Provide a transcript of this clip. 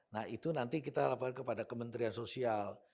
nah itu nanti kita laporkan kepada kementerian sosial